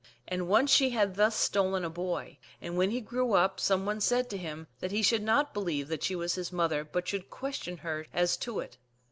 And once she had thus stolen a boy, and when he grew up some one said to him that he should not believe that she was his mother, but should ques tion her as to it.